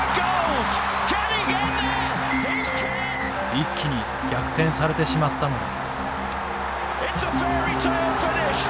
一気に逆転されてしまったのだ。